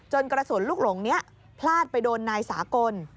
กระสุนลูกหลงนี้พลาดไปโดนนายสากล